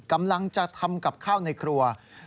กำลังจะทำกับข้าวในครัว